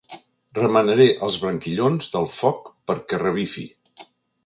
Remenaré els branquillons del foc perquè revifi.